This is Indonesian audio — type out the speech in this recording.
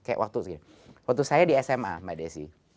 kayak waktu saya di sma mbak desi